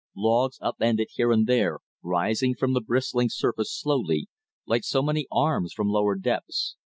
Logs up ended here and there, rising from the bristling surface slowly, like so many arms from lower depths.